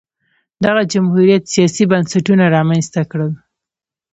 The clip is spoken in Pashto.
دغه جمهوریت سیاسي بنسټونه رامنځته کړل